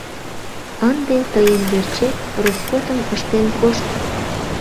Ынде тыйын верчет роскотым ыштен кошт.